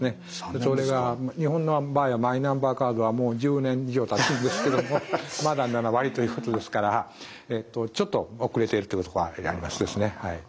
それが日本の場合はマイナンバーカードはもう１０年以上たつんですけどまだ７割ということですからちょっと遅れているというところがあります。